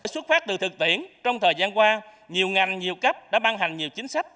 xuất phát từ thực tiễn trong thời gian qua nhiều ngành nhiều cấp đã ban hành nhiều chính sách